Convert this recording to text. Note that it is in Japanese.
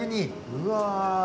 うわ。